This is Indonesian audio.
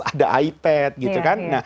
ada ipad gitu kan